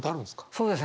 そうですね。